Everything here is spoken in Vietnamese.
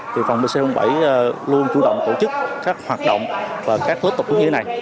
thì phòng pc bảy luôn chủ động tổ chức các hoạt động và các huyết tục như thế này